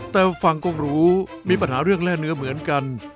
แต่ฝั่งกงหรูมีปัญหาเรื่องแร่เนื้อเหมือนกัน